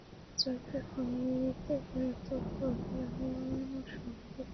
চোরকে খুনিতে পরিণত করে এমন সংশোধনাগারের দরকার কী?